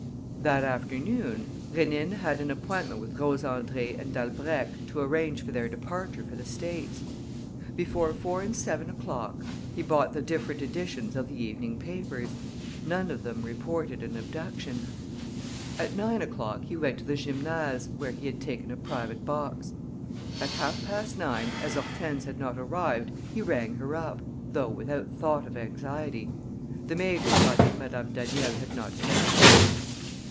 That afternoon, Rénine had an appointment with Rose Andrée and Dalbrèque to arrange for their departure for the States. [Footnote: See The Tell tale Film.] Before four and seven o'clock, he bought the different editions of the evening papers. None of them reported an abduction. At nine o'clock he went to the Gymnase, where he had taken a private box. At half past nine, as Hortense had not arrived, he rang her up, though without thought of anxiety. The maid replied that Madame Daniel had not come in yet.